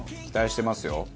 期待してますよ。